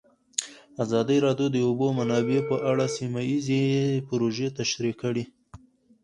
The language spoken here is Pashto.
ازادي راډیو د د اوبو منابع په اړه سیمه ییزې پروژې تشریح کړې.